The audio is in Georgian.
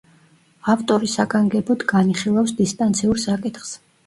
ავტორი საგანგებოდ განიხილავს დინასტიურ საკითხს.